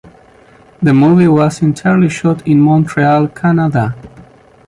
The movie was entirely shot in Montreal, Canada.